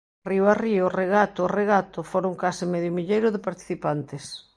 Río a río, regato a regato Foron case medio milleiro de participantes.